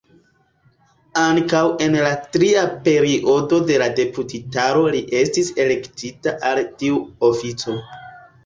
Ankaŭ en la tria periodo de la deputitaro li estis elektita al tiu ofico.